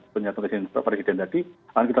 penyatuan dari pak presiden tadi akan kita